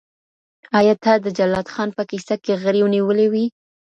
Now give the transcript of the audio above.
آیا ته د جلات خان په کیسه کي غريو نيولی وې؟